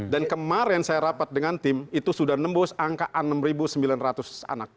dan kemarin saya rapat dengan tim itu sudah nembus angka enam sembilan ratus anak